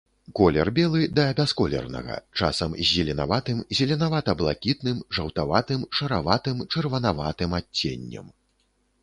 Колер белы да бясколернага, часам з зеленаватым, зеленевата-блакітным, жаўтаватым, шараватым, чырванаватым адценнем.